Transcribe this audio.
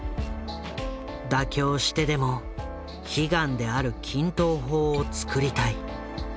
妥協してでも悲願である均等法を作りたい。